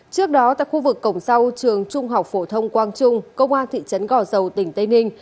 trước đó tại khu vực cổng sau trường trung học phổ thông quang trung công an thị trấn gò dầu tỉnh tây ninh